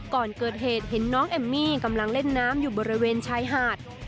ก่อนเกิดเหตุเห็นน้องเอมมี่กำลังเล่นน้ำอยู่บริเวณชายหาด